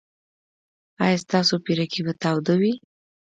ایا ستاسو پیرکي به تاوده وي؟